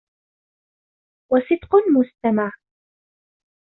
وَصِدْقٌ مُسْتَمَعٌ